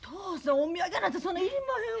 お土産なんてそんないりまへんわ。